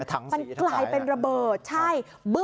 มันกลายเป็นระเบิดใช่